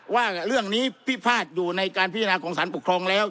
ว่าเรื่องนี้พิพาทอยู่ในการพินาค์องศัลปุ๊คครองแล้ว